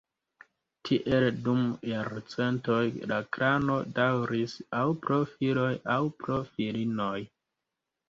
Tiel dum jarcentoj la klano daŭris aŭ pro filoj aŭ pro filinoj.